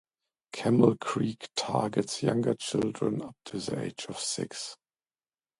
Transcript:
Camel Creek targets younger children up to the age of six.